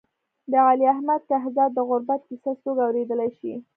د علي احمد کهزاد د غربت کیسه څوک اورېدای شي.